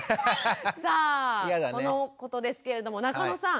さあこのことですけれども中野さん。